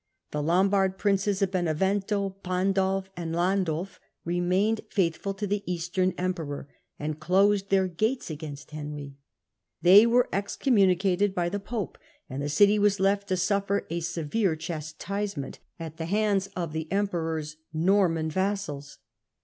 The Lombard princes of Benevento, Pandulf and Landulf, Return of remained faithful to the Eastern Emperor, to^Gorm^, ^^^ closcd their gates against Henry. They 1047 ^gj.^ excommunicated by the pope, and the city was lefb to suffer a severe chastisement at the hands ot the emperor's Norman vassals.